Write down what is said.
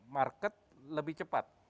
market lebih cepat